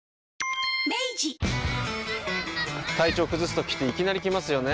体調崩すときっていきなり来ますよね。